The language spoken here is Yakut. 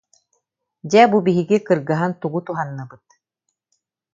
Дьэ, бу биһиги кыргыһан тугу туһанныбыт